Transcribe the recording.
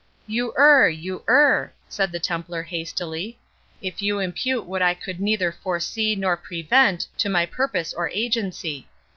"You err—you err,"—said the Templar, hastily, "if you impute what I could neither foresee nor prevent to my purpose or agency.